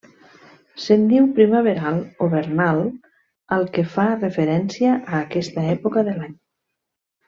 Se'n diu primaveral o vernal al que fa referència a aquesta època de l'any.